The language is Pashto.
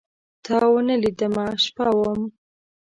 تاونه لیدمه، شپه وم